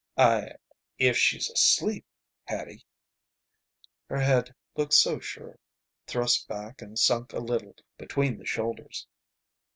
"I If she's asleep, Hattie " Her head looked so sure. Thrust back and sunk a little between the shoulders.